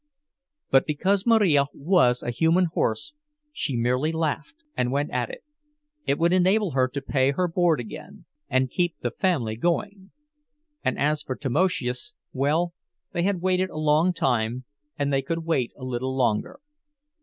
But because Marija was a human horse she merely laughed and went at it; it would enable her to pay her board again, and keep the family going. And as for Tamoszius—well, they had waited a long time, and they could wait a little longer.